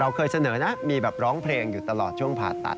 เคยเสนอนะมีแบบร้องเพลงอยู่ตลอดช่วงผ่าตัด